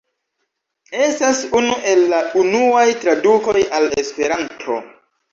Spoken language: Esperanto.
Estas unu el la unuaj tradukoj al Esperanto.